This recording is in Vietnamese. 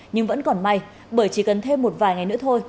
nhưng vẫn còn may bởi chỉ cần thêm một vài ngày nữa thôi